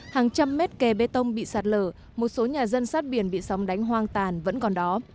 hàng trăm mét kè bê tông bị sạt lở một số nhà dân sát biển bị sóng đánh hoang tàn vẫn còn đó